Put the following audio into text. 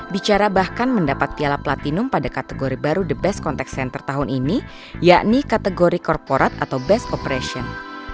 bicara bahkan mendapat piala platinum pada kategori baru the best contact center tahun ini yakni kategori corporat atau best operation